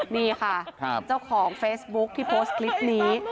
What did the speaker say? นี่ค่ะเจ้าของเฟซบุ๊คที่โพสต์คลิปนี้